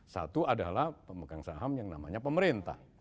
satu adalah pemegang saham yang namanya pemerintah